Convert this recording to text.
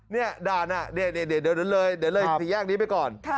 นี่ด่านน่ะเดี๋ยวเรียกสิ่งแยกนี้ไปก่อน